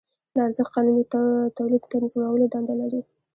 د ارزښت قانون د تولید تنظیمولو دنده لري